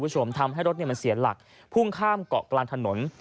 ทำให้รถมันเสียหลักพุ่งข้ามเกาะกลางถนน